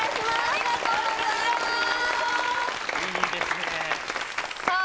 ありがとうございます・いいですねさあ